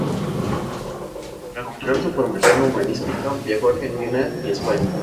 Para completar su formación humanística, viajó a Argentina y España.